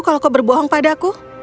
kau berbohong padaku